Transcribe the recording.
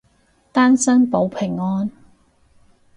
單身保平安